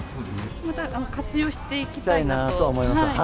また活用していきたいなと思います。